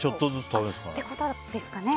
そういうことですかね。